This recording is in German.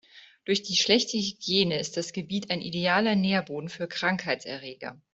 Durch die schlechte Hygiene ist das Gebiet ein idealer Nährboden für Krankheitserreger.